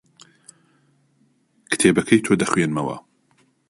کتێبەکەی تۆ دەخوێنمەوە.